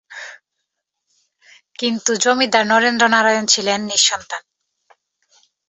কিন্তু জমিদার নরেন্দ্র নারায়ণ ছিলেন নিঃসন্তান।